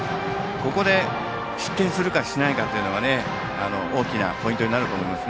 ここで失点するかしないかというのが大きなポイントになると思います。